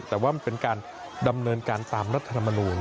แต่ว่ามันเป็นการดำเนินการตามรัฐธรรมนูล